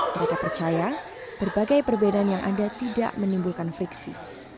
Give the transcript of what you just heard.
mereka percaya berbagai perbedaan yang ada tidak menimbulkan friksi